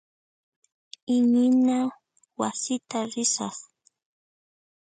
Iñina wasita risaq.